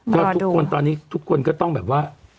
ก็ทุกคนตอนนี้ทุกคนก็ต้องแบบว่า